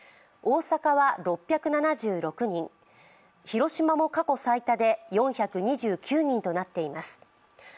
大阪は６７６人、広島も過去最多で４２９人となっています。